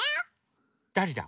だれだ？